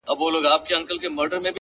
د عمل دوام بریا نږدې کوي.!